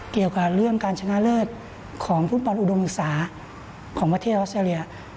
เกี่ยวกับเรื่องการชนะเลิศของฟุตบอลอุดมศึกษาของประเทศออสเตรเลีย